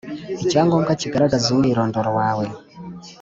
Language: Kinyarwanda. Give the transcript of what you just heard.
icyangombwa kigaragaza umwirondoro wawe